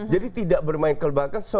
jadi tidak bermain kelembagaan